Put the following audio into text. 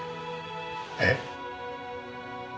えっ？